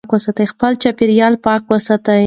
خپل چاپېریال پاک وساتئ.